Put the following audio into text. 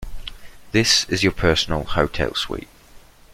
This is your personal hotel suite.